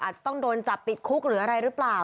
อาจจะต้องโดนจับติดคุกหรืออะไรหรือเปล่า